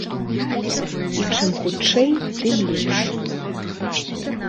І чым хутчэй, тым лепш.